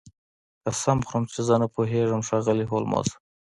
قسم خورم چې زه نه پوهیږم ښاغلی هولمز